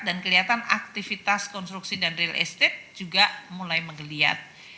dan kelihatan aktivitas konstruksi dan real estate juga mulai menggeliat